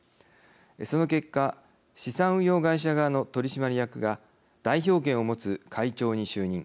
その結果資産運用会社側の取締役が代表権を持つ会長に就任。